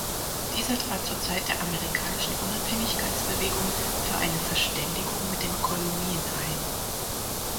Dieser trat zur Zeit der amerikanischen Unabhängigkeitsbewegung für eine Verständigung mit den Kolonien ein.